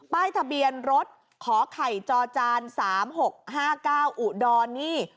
ทะเบียนรถขอไข่จอจาน๓๖๕๙อุดรนี่